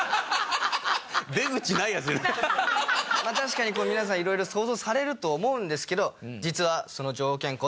まあ確かに皆さん色々想像されると思うんですけど実はその条件